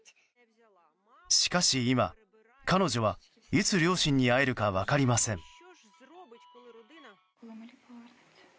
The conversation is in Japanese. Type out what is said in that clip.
しかし今、彼女はいつ両親に会えるか分かりません。